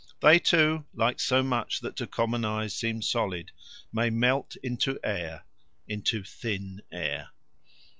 They too, like so much that to common eyes seems solid, may melt into air, into thin air.